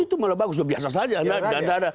itu malah bagus biasa saja